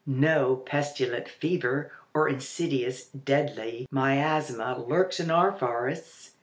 No pestilent fever or insidious deadly miasma lurks in our forests.